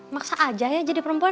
maksa aja ya jadi perempuan